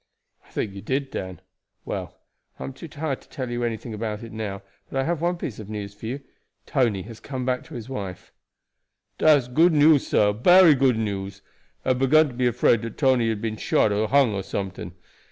"I think you did, Dan. Well, I am too tired to tell you anything about it now, but I have one piece of news for you; Tony has come back to his wife." "Dat's good news, sah; bery good news. I had begun to be afraid dat Tony had been shot or hung or someting.